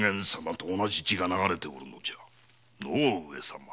のう上様。